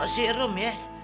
si rom ya